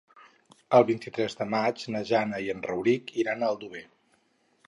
El vint-i-tres de maig na Jana i en Rauric iran a Aldover.